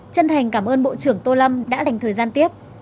chân thành cảm ơn bộ trưởng tô lâm đã dành thời gian tiếp